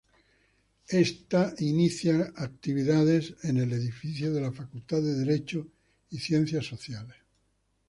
Esta inicia actividades en el edificio de la Facultad de Derecho y Ciencias Sociales.